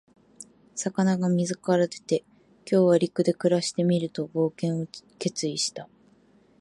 魚が水から出て、「今日は陸で暮らしてみる」と冒険を決意した。